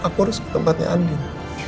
aku harus ke tempatnya andi